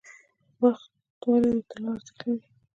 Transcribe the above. وخت ولې د طلا ارزښت لري؟